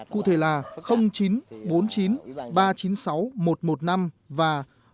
cụ thể là chín trăm bốn mươi chín ba trăm chín mươi sáu một trăm một mươi năm và chín trăm sáu mươi chín tám mươi hai một trăm một mươi năm